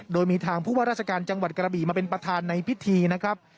โดยมีทางผู้ว่าราชการจังหวัดกระบี่มาเป็นประธานในพิธีนะครับ